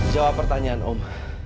jawab pertanyaan om